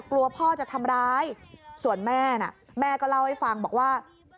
กลัวพ่อจะทำร้ายส่วนแม่น่ะแม่ก็เล่าให้ฟังบอกว่า